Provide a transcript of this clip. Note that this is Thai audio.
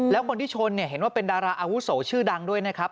แล้วคนที่ชนเนี่ยเห็นว่าเป็นดาราอาวุโสชื่อดังด้วยนะครับ